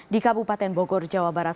di kabupaten bogor jawa barat